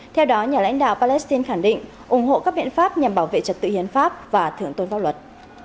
theo đó nhà lãnh đạo palestine khẳng định ủng hộ các biện pháp nhằm bảo vệ trật tự hiến pháp và thượng tôn pháp luật